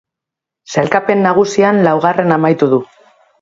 Sailkapen nagusian laugarren amaitu du.